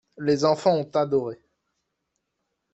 Les enfants ont adoré.